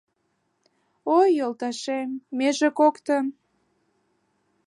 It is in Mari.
Ой, йолташем, меже коктын